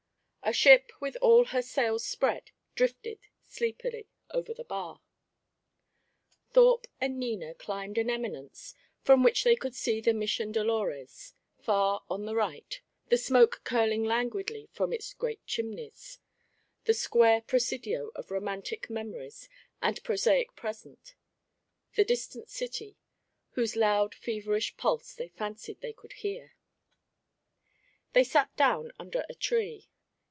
A ship with all her sails spread drifted, sleepily, over the bar. Thorpe and Nina climbed an eminence from which they could see the Mission Dolores, far on the right, the smoke curling languidly from its great chimneys; the square Presidio of romantic memories and prosaic present; the distant city, whose loud feverish pulse they fancied they could hear. They sat down under a tree.